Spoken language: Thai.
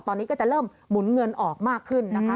ตอนนี้ก็จะเริ่มหมุนเงินออกมาขึ้นนะคะ